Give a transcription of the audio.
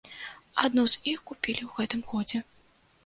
Адну з іх купілі ў гэтым годзе.